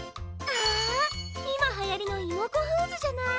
あいまはやりのイモコフーズじゃない！